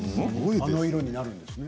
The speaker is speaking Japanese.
あの色になるんですね。